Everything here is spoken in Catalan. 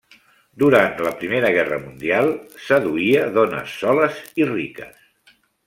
Durant la Primera Guerra Mundial, seduïa dones soles i riques.